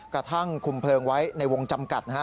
กระทั่งคุมเพลิงไว้ในวงจำกัดนะฮะ